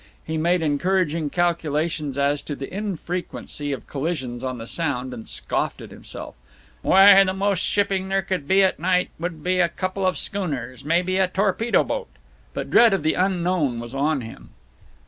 He made encouraging calculations as to the infrequency of collisions on the Sound, and scoffed at himself, "Why, the most shipping there could be at night would be a couple of schooners, maybe a torpedo boat." But dread of the unknown was on him.